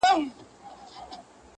وحشت د انسان دننه پټ دی,